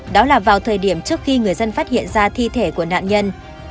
đó là vào thời điểm trước khi người dân phát hiện ra thi thể của nạn nhân